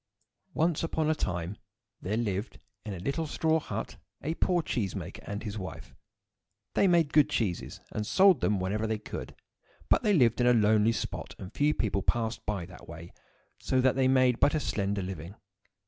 ONCE upon a time there lived, in a little straw hut, a poor cheese maker and his wife. They made good cheeses, and sold them whenever they could; but they lived in a lonely spot, and few people passed by that way, so that they made but a slender living.